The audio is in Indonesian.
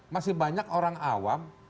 masih banyak orang awam